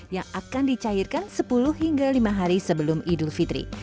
yang akan dicairkan sepuluh hingga lima hari sebelum idul fitri